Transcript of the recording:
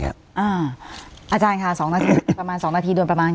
อาจารย์ครับ๒นาทีประมาณ